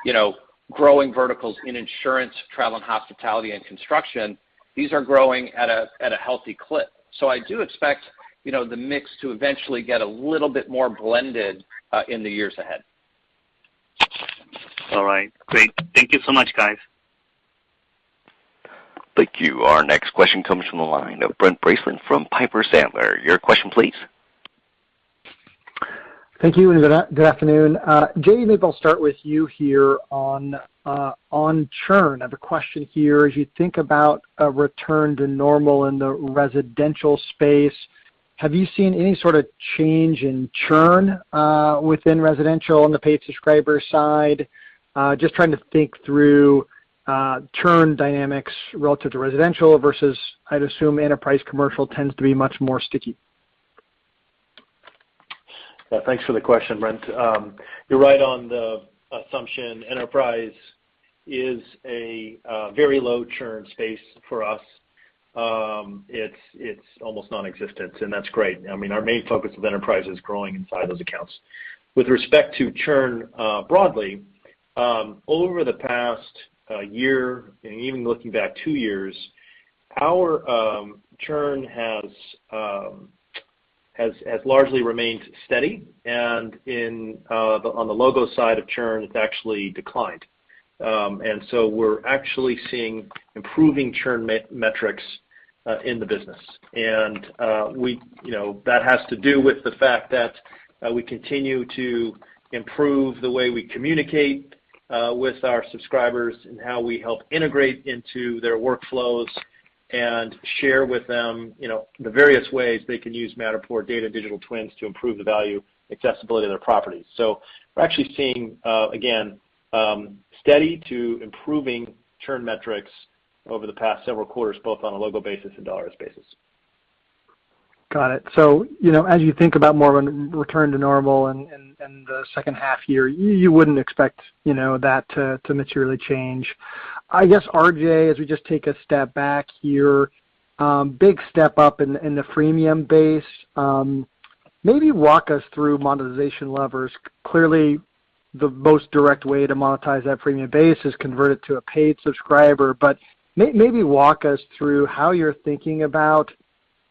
you know, growing verticals in insurance, travel and hospitality and construction. These are growing at a healthy clip. I do expect, you know, the mix to eventually get a little bit more blended, in the years ahead. All right. Great. Thank you so much, guys. Thank you. Our next question comes from the line of Brent Bracelin from Piper Sandler. Your question, please. Thank you, and good afternoon. JD Fay, maybe I'll start with you here on churn. I have a question here. As you think about a return to normal in the residential space, have you seen any sort of change in churn within residential on the paid subscriber side? Just trying to think through churn dynamics relative to residential versus I'd assume enterprise commercial tends to be much more sticky. Well, thanks for the question, Brent. You're right on the assumption. Enterprise is a very low churn space for us. It's almost nonexistent, and that's great. I mean, our main focus with enterprise is growing inside those accounts. With respect to churn, broadly, over the past year and even looking back two years, our churn has largely remained steady. On the logo side of churn, it's actually declined. We're actually seeing improving churn metrics in the business. We, you know, that has to do with the fact that we continue to improve the way we communicate with our subscribers and how we help integrate into their workflows and share with them, you know, the various ways they can use Matterport data and digital twins to improve the value and accessibility of their properties. We're actually seeing, again, steady to improving churn metrics over the past several quarters, both on a logo basis and dollars basis. Got it. You know, as you think about more of a return to normal in the second half year, you wouldn't expect, you know, that to materially change. I guess, RJ, as we just take a step back here, big step up in the freemium base. Maybe walk us through monetization levers. Clearly, the most direct way to monetize that freemium base is convert it to a paid subscriber. Maybe walk us through how you're thinking about.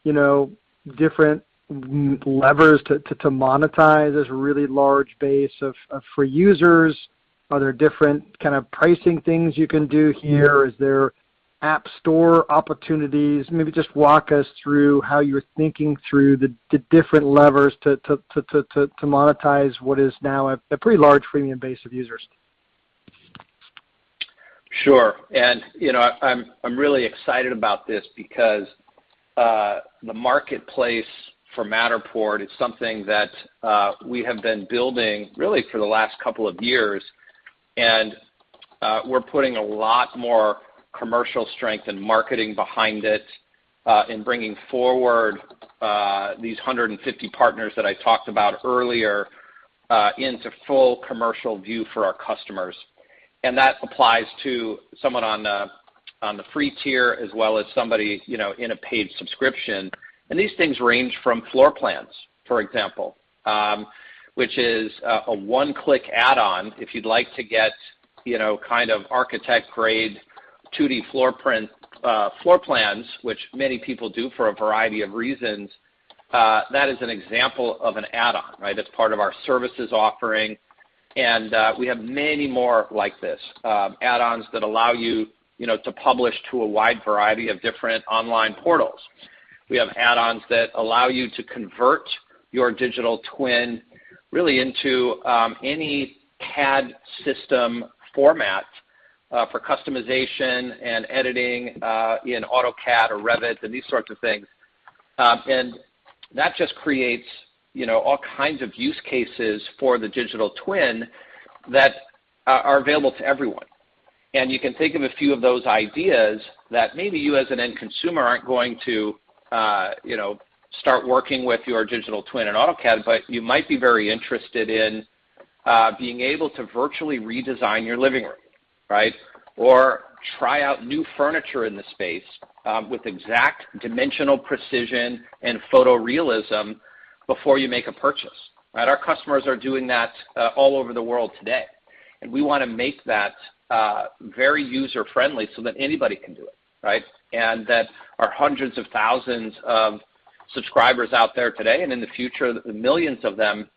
You know, different levers to monetize this really large base of free users. Are there different kind of pricing things you can do here? Is there app store opportunities? Maybe just walk us through how you're thinking through the different levers to monetize what is now a pretty large premium base of users. Sure. You know, I'm really excited about this because the marketplace for Matterport is something that we have been building really for the last couple of years. We're putting a lot more commercial strength and marketing behind it in bringing forward these 150 partners that I talked about earlier into full commercial view for our customers. That applies to someone on the free tier as well as somebody, you know, in a paid subscription. These things range from floor plans, for example, which is a one-click add-on if you'd like to get, you know, kind of architect grade floor plans, which many people do for a variety of reasons. That is an example of an add-on, right? That's part of our services offering. We have many more like this add-ons that allow you know, to publish to a wide variety of different online portals. We have add-ons that allow you to convert your digital twin really into any CAD system format for customization and editing in AutoCAD or Revit and these sorts of things. That just creates, you know, all kinds of use cases for the digital twin that are available to everyone. You can think of a few of those ideas that maybe you as an end consumer aren't going to, you know, start working with your digital twin in AutoCAD, but you might be very interested in being able to virtually redesign your living room, right? Or try out new furniture in the space with exact dimensional precision and photorealism before you make a purchase, right? Our customers are doing that all over the world today, and we wanna make that very user-friendly so that anybody can do it, right? That our hundreds of thousands of subscribers out there today and in the future, the millions of them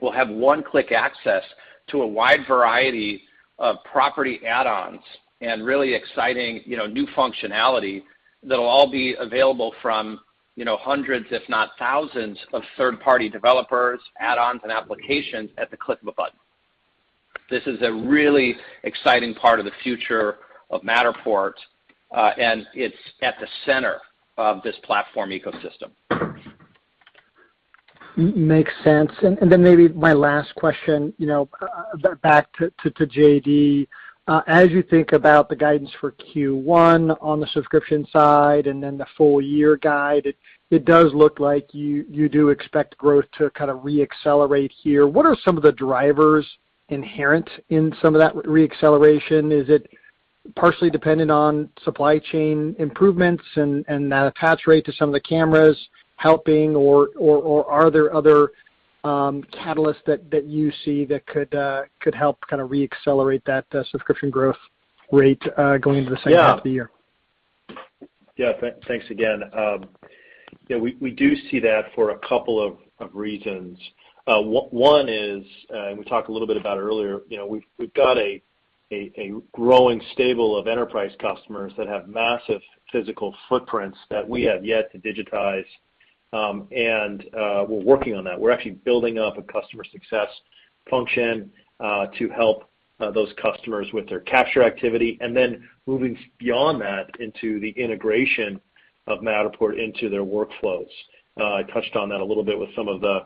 will have one-click access to a wide variety of property add-ons and really exciting, you know, new functionality that'll all be available from, you know, hundreds if not thousands of third-party developers, add-ons and applications at the click of a button. This is a really exciting part of the future of Matterport, and it's at the center of this platform ecosystem. Makes sense. Then maybe my last question, you know, back to JD. As you think about the guidance for Q1 on the subscription side and then the full year guide, it does look like you do expect growth to kind of re-accelerate here. What are some of the drivers inherent in some of that re-acceleration? Is it partially dependent on supply chain improvements and that attach rate to some of the cameras helping or are there other catalysts that you see that could help kind of re-accelerate that subscription growth rate going into the second half of the year? Yeah. Yeah. Thanks again. Yeah, we do see that for a couple of reasons. One is, and we talked a little bit about it earlier, you know, we've got a growing stable of enterprise customers that have massive physical footprints that we have yet to digitize. We're working on that. We're actually building up a customer success function to help those customers with their capture activity and then moving beyond that into the integration of Matterport into their workflows. I touched on that a little bit with some of the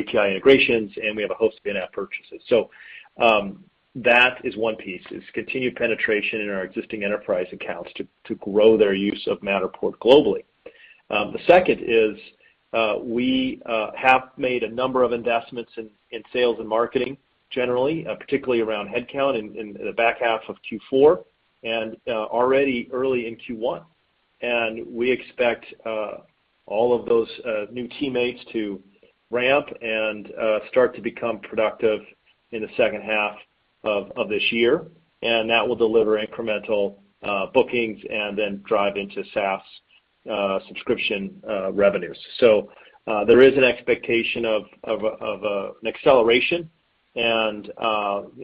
API integrations, and we have a host of in-app purchases. That is one piece is continued penetration in our existing enterprise accounts to grow their use of Matterport globally. The second is, we have made a number of investments in sales and marketing generally, particularly around headcount in the back half of Q4 and already early in Q1. We expect all of those new teammates to ramp and start to become productive in the second half of this year. That will deliver incremental bookings and then drive into SaaS subscription revenues. There is an expectation of an acceleration and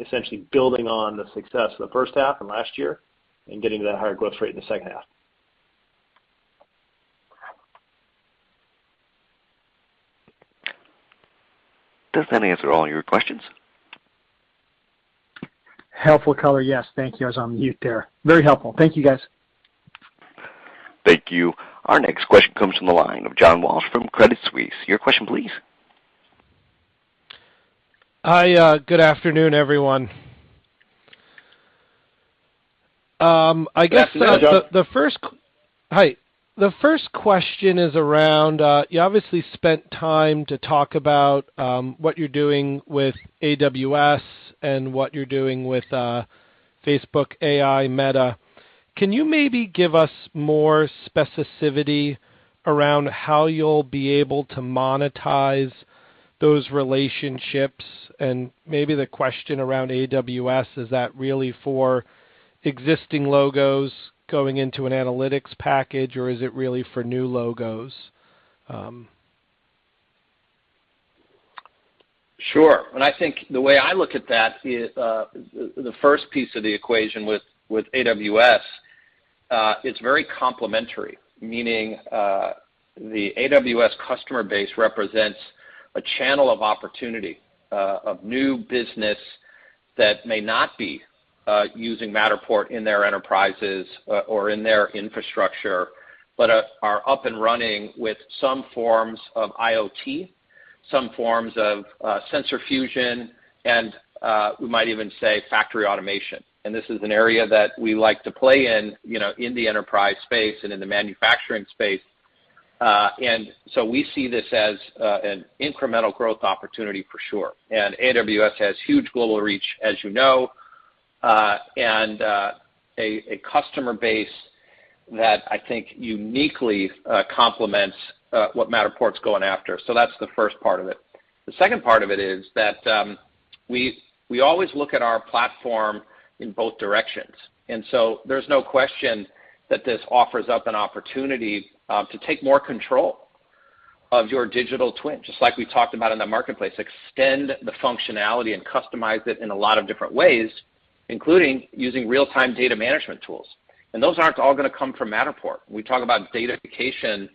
essentially building on the success of the first half and last year and getting to that higher growth rate in the second half. Does that answer all your questions? Helpful color, yes. Thank you. I was on mute there. Very helpful. Thank you, guys. Thank you. Our next question comes from the line of John Walsh from Credit Suisse. Your question please. Hi. Good afternoon, everyone. I guess the first- Afternoon, John. Hi. The first question is around you obviously spent time to talk about what you're doing with AWS and what you're doing with Facebook AI, Meta. Can you maybe give us more specificity around how you'll be able to monetize those relationships and maybe the question around AWS, is that really for existing logos going into an analytics package or is it really for new logos? Sure. I think the way I look at that is, the first piece of the equation with AWS, it's very complementary, meaning, the AWS customer base represents a channel of opportunity, of new business that may not be using Matterport in their enterprises or in their infrastructure, but are up and running with some forms of IoT, some forms of sensor fusion, and we might even say factory automation. This is an area that we like to play in, you know, in the enterprise space and in the manufacturing space. We see this as an incremental growth opportunity for sure. AWS has huge global reach, as you know, and a customer base that I think uniquely complements what Matterport's going after. That's the first part of it. The second part of it is that, we always look at our platform in both directions. There's no question that this offers up an opportunity, to take more control of your digital twin, just like we talked about in the marketplace, extend the functionality and customize it in a lot of different ways, including using real-time data management tools. Those aren't all gonna come from Matterport. We talk about datafication,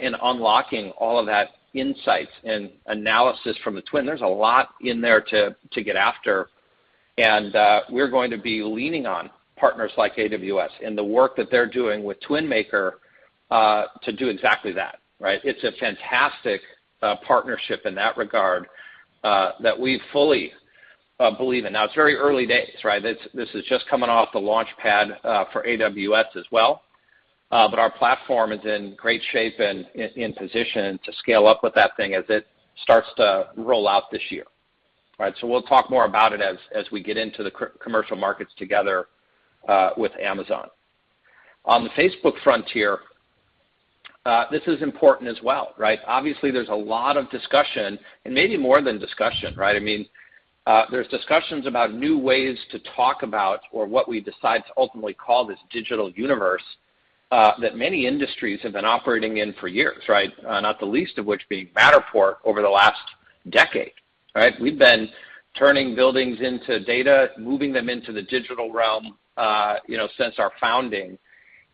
in unlocking all of that insights and analysis from the twin. There's a lot in there to get after. We're going to be leaning on partners like AWS and the work that they're doing with TwinMaker, to do exactly that, right? It's a fantastic, partnership in that regard, that we fully, believe in. Now, it's very early days, right? This is just coming off the launch pad for AWS as well. But our platform is in great shape and in position to scale up with that thing as it starts to roll out this year. All right, so we'll talk more about it as we get into the commercial markets together with Amazon. On the Facebook frontier, this is important as well, right? Obviously, there's a lot of discussion and maybe more than discussion, right? I mean, there's discussions about new ways to talk about or what we decide to ultimately call this digital universe that many industries have been operating in for years, right? Not the least of which being Matterport over the last decade, right? We've been turning buildings into data, moving them into the digital realm, you know, since our founding.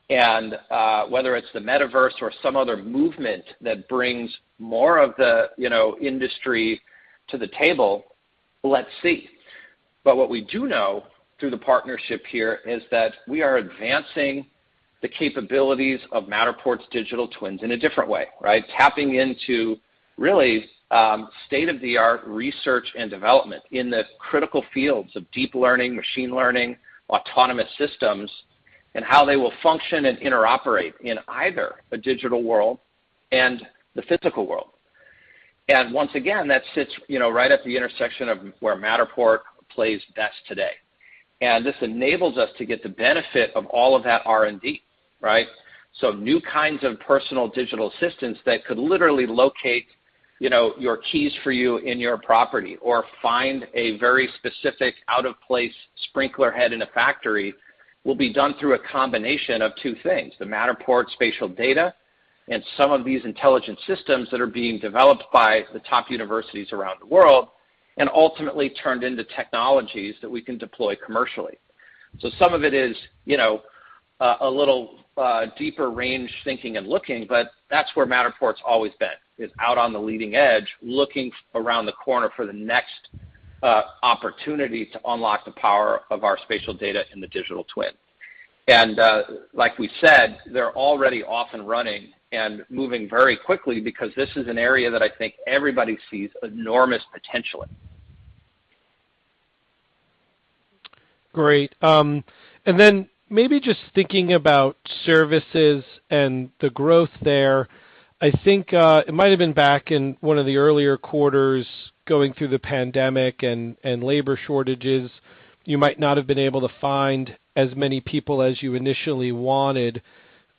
Whether it's the metaverse or some other movement that brings more of the, you know, industry to the table, let's see. What we do know through the partnership here is that we are advancing the capabilities of Matterport's digital twins in a different way, right, tapping into really state-of-the-art research and development in the critical fields of deep learning, machine learning, autonomous systems, and how they will function and interoperate in either a digital world and the physical world. Once again, that sits, you know, right at the intersection of where Matterport plays best today. This enables us to get the benefit of all of that R&D, right? New kinds of personal digital assistants that could literally locate, you know, your keys for you in your property or find a very specific out-of-place sprinkler head in a factory will be done through a combination of two things, the Matterport spatial data and some of these intelligent systems that are being developed by the top universities around the world and ultimately turned into technologies that we can deploy commercially. Some of it is, you know, a little, deeper range thinking and looking, but that's where Matterport's always been, is out on the leading edge, looking around the corner for the next, opportunity to unlock the power of our spatial data in the digital twin. Like we said, they're already off and running and moving very quickly because this is an area that I think everybody sees enormous potential in. Great. Maybe just thinking about services and the growth there. I think it might have been back in one of the earlier quarters going through the pandemic and labor shortages. You might not have been able to find as many people as you initially wanted.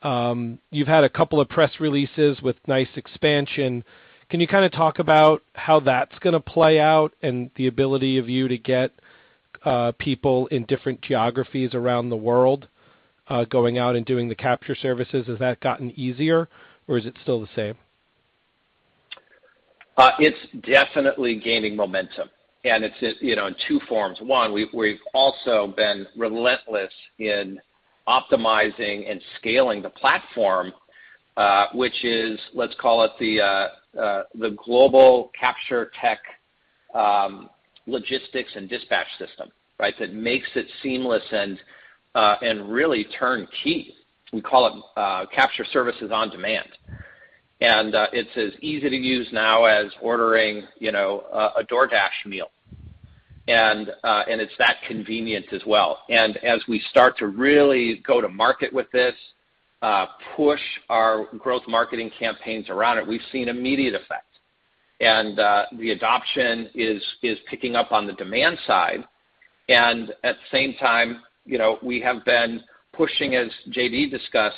You've had a couple of press releases with nice expansion. Can you kinda talk about how that's gonna play out and the ability of you to get people in different geographies around the world going out and doing the capture services? Has that gotten easier or is it still the same? It's definitely gaining momentum, and it's in you know, in two forms. One, we've also been relentless in optimizing and scaling the platform, which is, let's call it the global capture tech, logistics and dispatch system, right? That makes it seamless and really turnkey. We call it capture services on demand. It's as easy to use now as ordering you know, a DoorDash meal. And it's that convenient as well. As we start to really go to market with this, push our growth marketing campaigns around it, we've seen immediate effect. The adoption is picking up on the demand side. At the same time, you know, we have been pushing, as JD discussed,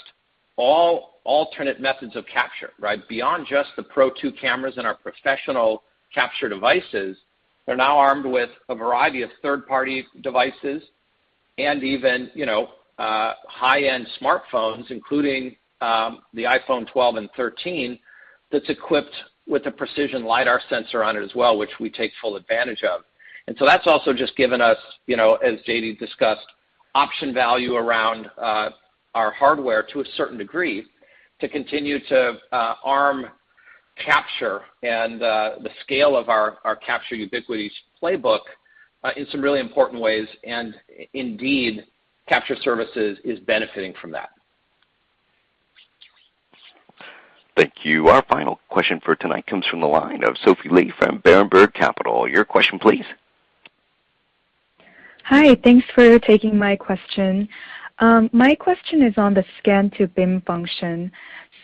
all alternate methods of capture, right? Beyond just the Pro2 cameras and our professional capture devices, they're now armed with a variety of third-party devices and even, you know, high-end smartphones, including, the iPhone 12 and 13, that's equipped with a precision lidar sensor on it as well, which we take full advantage of. That's also just given us, you know, as JD discussed, option value around, our hardware to a certain degree to continue to, arm capture and, the scale of our capture Capture Ubiquity playbook, in some really important ways. Capture services is benefiting from that. Thank you. Our final question for tonight comes from the line of Sophie Lee from Berenberg Capital. Your question please. Hi. Thanks for taking my question. My question is on the Scan-to-BIM function.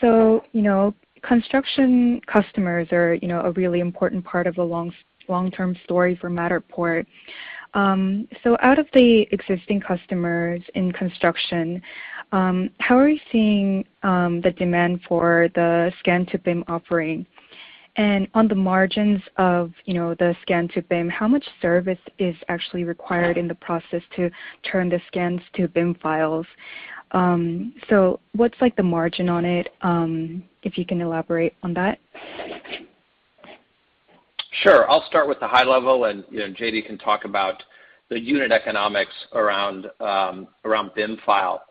You know, construction customers are, you know, a really important part of the long, long-term story for Matterport. Out of the existing customers in construction, how are you seeing the demand for the Scan-to-BIM offering? On the margins of, you know, the Scan-to-BIM, how much service is actually required in the process to turn the scans to BIM files? What's like the margin on it, if you can elaborate on that? Sure. I'll start with the high level and, you know, JD can talk about the unit economics around BIM file.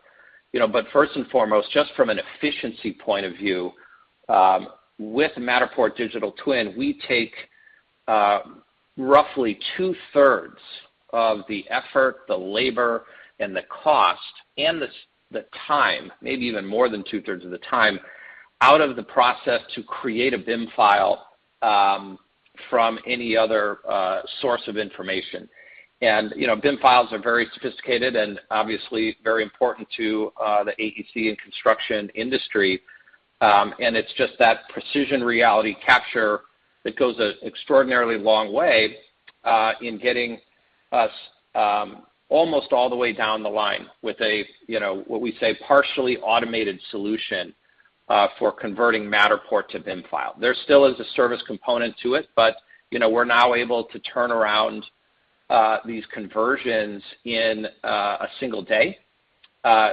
You know, but first and foremost, just from an efficiency point of view, with Matterport digital twin, we take roughly two-thirds of the effort, the labor and the cost, and the time, maybe even more than two-thirds of the time, out of the process to create a BIM file from any other source of information. You know, BIM files are very sophisticated and obviously very important to the AEC and construction industry. It's just that precision reality capture that goes an extraordinarily long way in getting us almost all the way down the line with a, you know, what we say, partially automated solution for converting Matterport to BIM file. There still is a service component to it, but, you know, we're now able to turn around these conversions in a single day.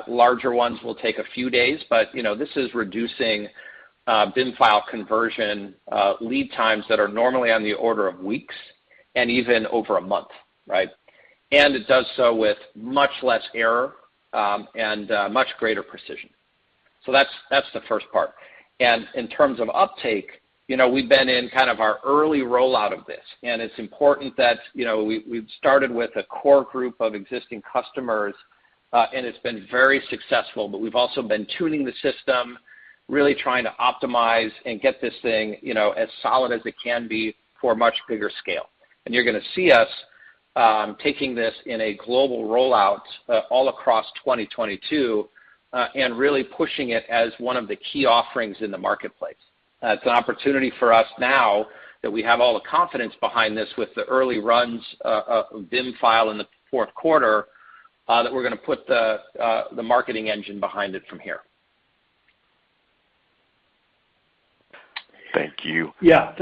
Larger ones will take a few days, but, you know, this is reducing BIM file conversion lead times that are normally on the order of weeks and even over a month, right? It does so with much less error and much greater precision. That's the first part. In terms of uptake, you know, we've been in kind of our early rollout of this, and it's important that, you know, we've started with a core group of existing customers, and it's been very successful. We've also been tuning the system, really trying to optimize and get this thing, you know, as solid as it can be for a much bigger scale. You're gonna see us taking this in a global rollout all across 2022 and really pushing it as one of the key offerings in the marketplace. It's an opportunity for us now that we have all the confidence behind this with the early runs of BIM file in the fourth quarter that we're gonna put the marketing engine behind it from here. Thank you. Yeah.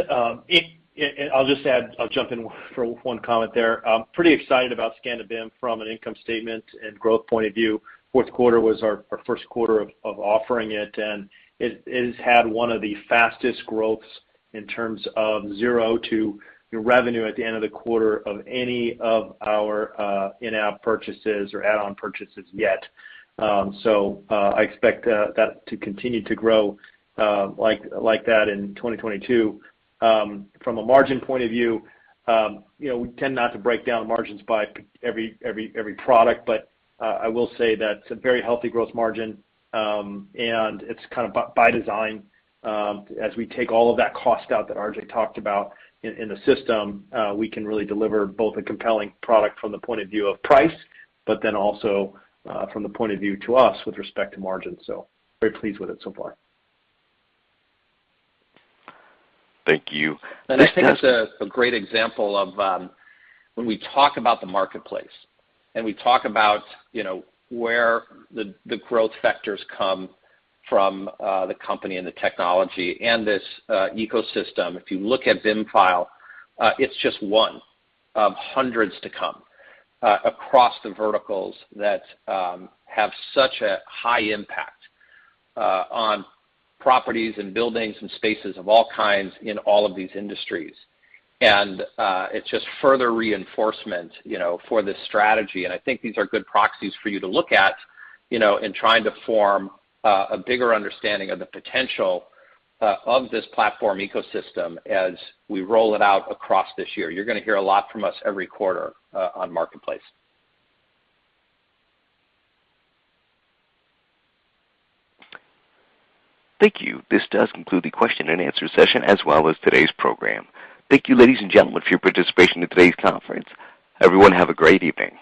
I'll just add, I'll jump in for one comment there. I'm pretty excited about Scan-to-BIM from an income statement and growth point of view. Fourth quarter was our first quarter of offering it, and it has had one of the fastest growths in terms of zero to hero revenue at the end of the quarter of any of our in-app purchases or add-on purchases yet. I expect that to continue to grow like that in 2022. From a margin point of view, you know, we tend not to break down margins by every product. I will say that it's a very healthy growth margin, and it's kind of by design. As we take all of that cost out that RJ talked about in the system, we can really deliver both a compelling product from the point of view of price, but then also from the point of view to us with respect to margin. Very pleased with it so far. Thank you. I think it's a great example of when we talk about the Marketplace and we talk about, you know, where the growth vectors come from, the company and the technology and this ecosystem. If you look at BIM file, it's just one of hundreds to come across the verticals that have such a high impact on properties and buildings and spaces of all kinds in all of these industries. It's just further reinforcement, you know, for this strategy. I think these are good proxies for you to look at, you know, in trying to form a bigger understanding of the potential of this platform ecosystem as we roll it out across this year. You're gonna hear a lot from us every quarter on Marketplace. Thank you. This does conclude the question and answer session as well as today's program. Thank you, ladies and gentlemen, for your participation in today's conference. Everyone, have a great evening.